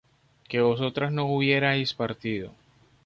que vosotras no hubierais partido